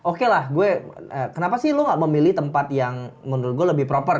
oke lah gue kenapa sih lo gak memilih tempat yang menurut gue lebih proper